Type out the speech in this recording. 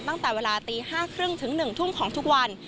ตั้งแต่เวลาตี๕๓๐ถึง๑ทุ่มของทุกวัน